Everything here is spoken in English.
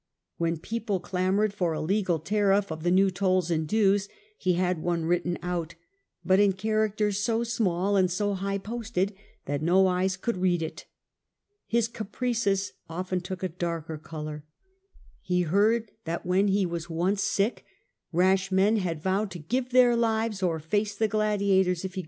When the people clamoured for a legal tariff of the new tolls and dues, he had one written out, but in characters so small and so high posted that no eyes could read it. His caprices often took a darker colour. He heard that ^^^^ when he was once sick rash men had vowed Lwiid^ ^ to give their lives or face the gladiators if caprices.